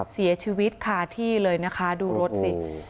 เสียชีวิตคาที่เลยนะคะดูรถสิ